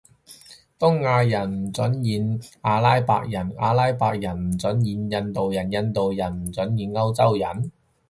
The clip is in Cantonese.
東亞人唔准演阿拉伯人，阿拉伯人唔准演印度人，印度人唔准演歐洲人？